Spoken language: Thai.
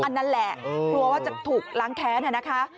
นั่นแหละกลัวว่าจะถูกล้างแค้นนะคะ